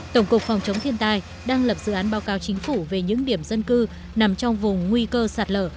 tổng cục phòng chống thiên tai đang lập dự án báo cáo chính phủ về những điểm dân cư nằm trong vùng nguy cơ sạt lở